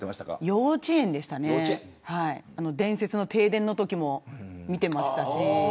幼稚園でしたね、伝説の停電のときも見ていました。